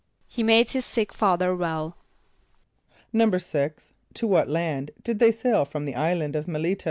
=He made his sick father well.= =6.= To what land did they sail from the island of M[)e]l´[)i] t[.